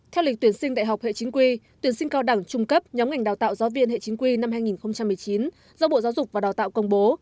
theo lịch tuyển sinh đại học hệ chính quy tuyển sinh cao đẳng trung cấp nhóm ngành đào tạo giáo viên hệ chính quy năm hai nghìn một mươi chín do bộ giáo dục và đào tạo công bố